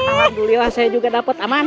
alhamdulillah saya juga dapat aman